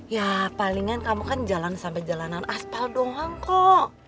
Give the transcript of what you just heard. ya palingan kamu kan jalan sampai jalanan aspal doang kok